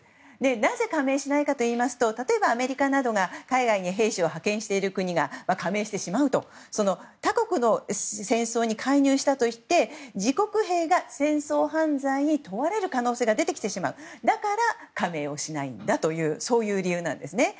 なぜ加盟しないのかといいますと例えば、アメリカなのが海外に兵士を派遣している国が加盟してしまうと他国の戦争に介入したとして自国兵が戦争犯罪に問われる可能性が出てきてしまうから加盟しないんだというそういう理由なんですね。